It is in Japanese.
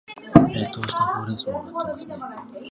冷凍したほうれん草は売っていますね